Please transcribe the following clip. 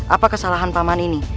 apa kesalahan paman ini